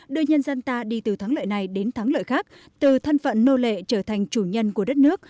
đưa nhân dân ta đi từ thắng lợi này đến thắng lợi khác từ thân phận nô lệ trở thành chủ nhân của đất nước